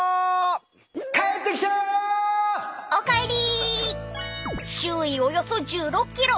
［おかえり］